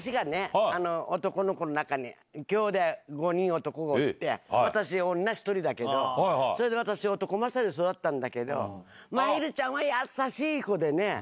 男の子の中に、きょうだい５人男おって、私女１人だけど、それで私、男勝りに育ったんだけど、まひるちゃんは優しい子でね。